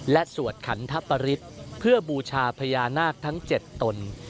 และสวดขันทปริศเพื่อบูชาพญานาคทั้ง๗ตน